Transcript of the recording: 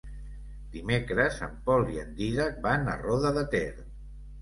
Dimecres en Pol i en Dídac van a Roda de Ter.